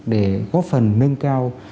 để góp phần nâng cao